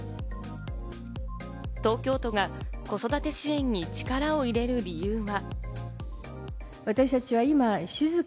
東京都が子育て支援に力を入れる理由が。